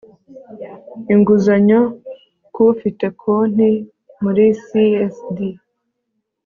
inguzanyo ku ufite konti muri CSD